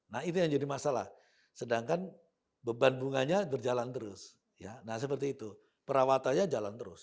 nah itu yang jadi masalah sedangkan beban bunganya berjalan terus ya nah seperti itu perawatannya jalan terus